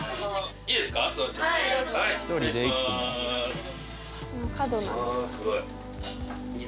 いいですね。